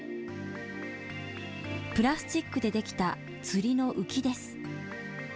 プラスチックでできた釣りのウキです。